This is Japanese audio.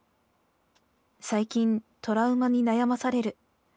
最近トラウマに悩まされる。